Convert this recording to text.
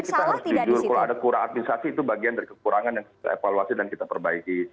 kita harus jujur kalau ada kurang administrasi itu bagian dari kekurangan yang kita evaluasi dan kita perbaiki